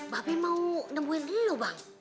babe mau nemuin lo bang